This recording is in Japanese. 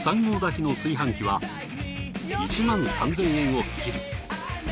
３合炊きの炊飯器は１３，０００円を切る。